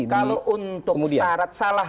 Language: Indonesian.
kalau untuk syarat salah